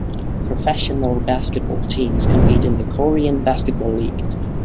Professional basketball teams compete in the Korean Basketball League.